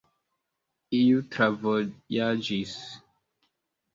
Iu travojaĝis.